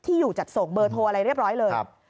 อยู่จัดส่งเบอร์โทรอะไรเรียบร้อยเลย